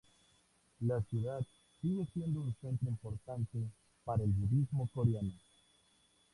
La ciudad sigue siendo un centro importante para el budismo coreano.